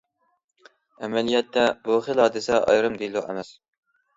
ئەمەلىيەتتە، بۇ خىل ھادىسە ئايرىم دېلو ئەمەس.